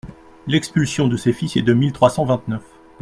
L'expulsion de ses fils est de mille trois cent vingt-neuf.